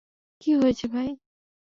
কী হয়েছে, ভাই?